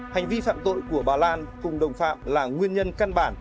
hành vi phạm tội của bà lan cùng đồng phạm là nguyên nhân căn bản